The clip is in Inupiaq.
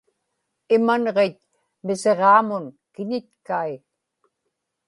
imanġit misiġaamun kiñitkai